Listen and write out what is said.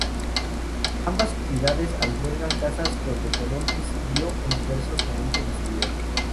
Ambas ciudades albergaban casas donde Colón residió en diversos momentos de su vida.